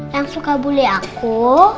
yang suka boleh aku